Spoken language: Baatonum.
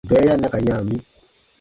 Bɛɛya na ka yã mi.